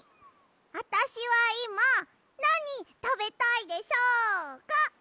あたしはいまなにたべたいでしょうか？